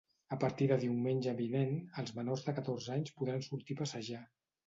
A partir de diumenge vinent, els menors de catorze anys podran sortir a passejar.